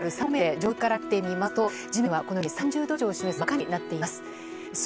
上空から見てみますと地面は３０度以上を示す真っ赤になっています。